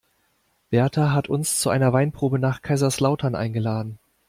Berta hat uns zu einer Weinprobe nach Kaiserslautern eingeladen.